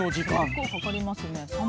結構かかりますね。